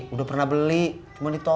udah pernah beli cuma ditolak